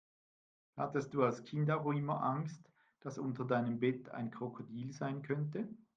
Hattest du als Kind auch immer Angst, dass unter deinem Bett ein Krokodil sein könnte?